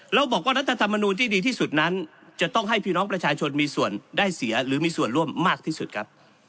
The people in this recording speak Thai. เราบอกว่ารัฐธรรมนูลที่ดีที่สุดนั้นจะต้องให้พี่น้องประชาชนมีส่วนได้เสียหรือมีส่วนร่วมมากที่สุดครับ